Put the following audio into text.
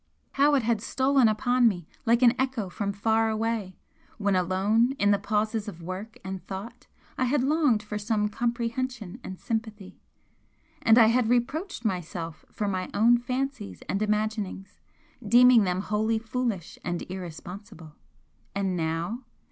How it had stolen upon me like an echo from far away, when alone in the pauses of work and thought I had longed for some comprehension and sympathy! And I had reproached myself for my own fancies and imaginings, deeming them wholly foolish and irresponsible! And now!